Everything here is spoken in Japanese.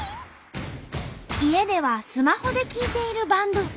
家ではスマホで聴いているバンド。